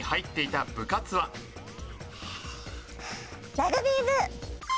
ラグビー部。